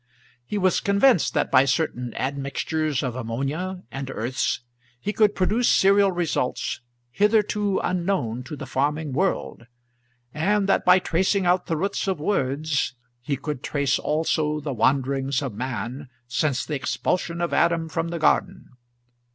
He was convinced that by certain admixtures of ammonia and earths he could produce cereal results hitherto unknown to the farming world, and that by tracing out the roots of words he could trace also the wanderings of man since the expulsion of Adam from the garden.